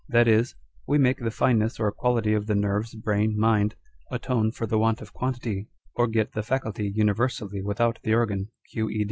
That is, we make the fineness or quality of the nerves, brain, mind, atone for the want of quantity, or get the faculty universally without the organ : Q. E.